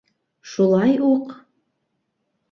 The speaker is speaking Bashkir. Шулай уҡ...